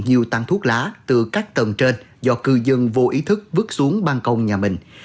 nhiều tăng thuốc lá từ các tầng trên do cư dân vô ý thức vứt xuống bàn công nhà mình